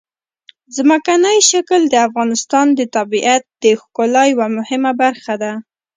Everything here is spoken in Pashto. ځمکنی شکل د افغانستان د طبیعت د ښکلا یوه مهمه برخه ده.